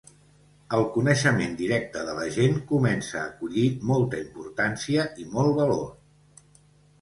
El coneixement directe de la gent comença acollir molta importància i molt valor.